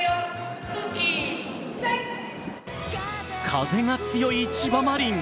風が強い千葉マリン。